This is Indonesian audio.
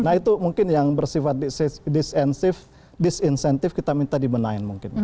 nah itu mungkin yang bersifat disinsentif kita minta dibenahin mungkin